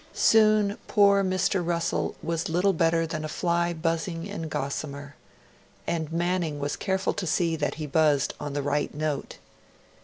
Soon poor Mr. Russell was little better than a fly buzzing in gossamer. And Manning was careful to see that he buzzed on the right note.